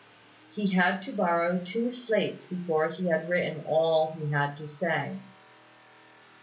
He had to borrow two slates before he had written all he had to say.